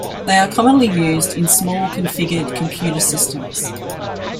They are commonly used in small-configured computer systems.